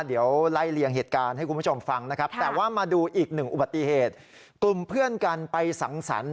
เดี๋ยวไล่เลี่ยงเหตุการณ์ให้คุณผู้ชมฟังนะครับ